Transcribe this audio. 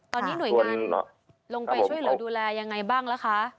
ตอนนี้หน่วยงานลงไปช่วยเหลือดูแลยังไงบ้างล่ะคะ